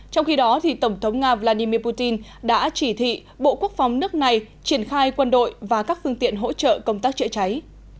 trong khi đó tổng thống nga vladimir putin đã chỉ thị bộ quốc phòng nước này triển khai quân đội và các phương tiện hỗ trợ công tác chữa cháy